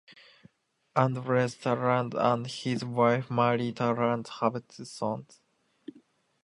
Andres Tarand and his wife Mari Tarand have two sons.